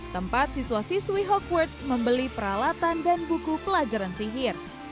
tempat siswa siswi hogwards membeli peralatan dan buku pelajaran sihir